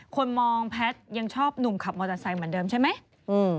คนมองแพทย์ยังชอบหนุ่มขับมอเตอร์ไซค์เหมือนเดิมใช่ไหม